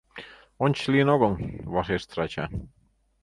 — Ончыч лийын огыл, — вашештыш ача.